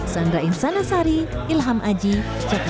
sandra insana sari ilham aji cekang jawa